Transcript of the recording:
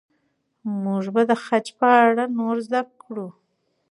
موږ به د خج په اړه نور زده کړو.